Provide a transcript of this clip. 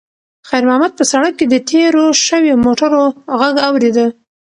خیر محمد په سړک کې د تېرو شویو موټرو غږ اورېده.